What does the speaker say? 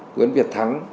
nguyễn việt thắng